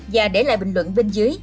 và để lại bình luận bên dưới